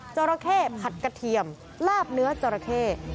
จราเข้ผัดกระเทียมลาบเนื้อจราเข้